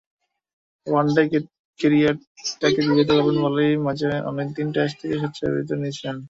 One day ক্যারিয়ারটাকে দীর্ঘায়িত করবেন বলেই মাঝে অনেক দিন টেস্ট থেকে স্বেচ্ছাবিরতি নিয়েছিলেন।